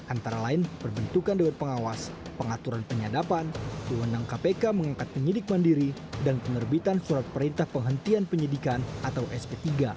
antara lain perbentukan dewan pengawas pengaturan penyadapan kewenangan kpk mengangkat penyidik mandiri dan penerbitan surat perintah penghentian penyidikan atau sp tiga